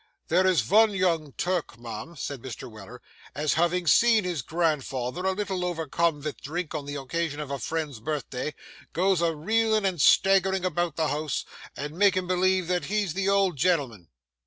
'There is vun young Turk, mum,' said Mr. Weller, 'as havin' seen his grandfather a little overcome vith drink on the occasion of a friend's birthday, goes a reelin' and staggerin' about the house, and makin' believe that he's the old gen'lm'n.